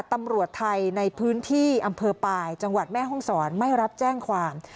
ตำรวจไทยในพื้นที่อำเภอปลายจังหวัดแม่ห้องศรไม่รับแจ้งความ